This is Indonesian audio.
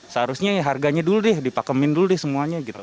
seharusnya harganya dulu deh dipakemin dulu deh semuanya gitu